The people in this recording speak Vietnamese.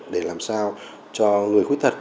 để làm sao cho người khuyết tật